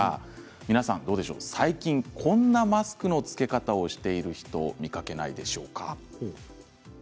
皆さん最近こんなマスクの着け方をしている人見かけないでしょうか。